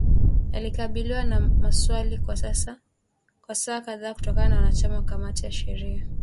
alikabiliwa na maswali kwa saa kadhaa kutoka kwa wanachama wa kamati ya sheria